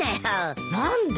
何で？